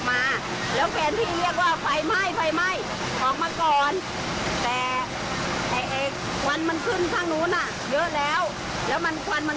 ข้างกันก็ได้มีปลาตกติดกันสีดากนะครับ